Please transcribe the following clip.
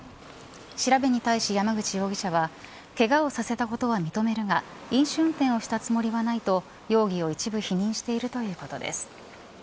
調べに対し、山口容疑者はけがをさせたことは認めるが飲酒運転をしたつもりはないと容疑を一部否認しているということです。